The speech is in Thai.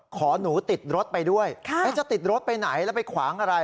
ขอหนูติดรถไปด้วยจะติดรถไปไหนแล้วไปขวางอะไร